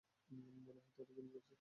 মনে হয় তার জ্ঞান ফিরছে।